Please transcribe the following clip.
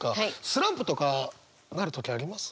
スランプとかなる時あります？